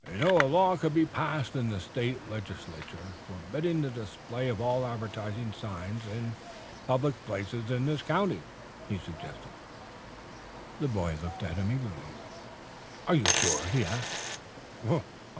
"A law could be passed in the State Legislature forbidding the display of all advertising signs in public places in this county," he suggested. The boy looked at him eagerly. "Are you sure?" he asked.